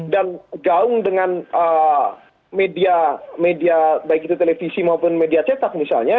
dan gaung dengan media media baik itu televisi maupun media cetak misalnya